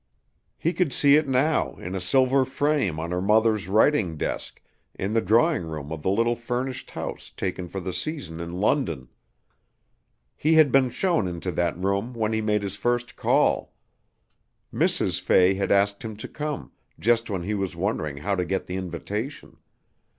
He could see it now, in a silver frame on her mother's writing desk, in the drawing room of the little furnished house taken for the season in London. He had been shown into that room when he made his first call. Mrs. Fay had asked him to come, just when he was wondering how to get the invitation.